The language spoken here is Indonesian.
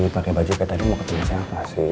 pake baju kayak tadi mau ketemu siapa sih